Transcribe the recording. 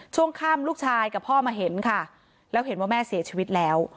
ช่วงค่ำลูกชายกับพ่อมาเห็นค่ะแล้วเห็นว่าแม่เสียชีวิตแล้ว